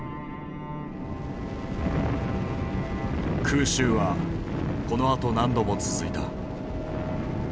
空襲はこのあと何度も続いた。